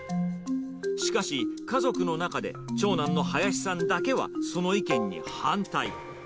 しかし、家族の中で長男の林さんだけはその意見に反対。